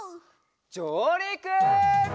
じょうりく！